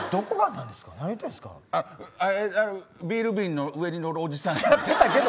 ビール瓶の上に乗るおじさん。